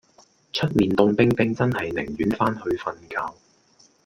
出面涷冰冰真係寧願返去瞓覺